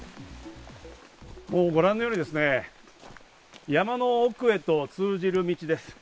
ご覧のように山の奥へと通じる道です。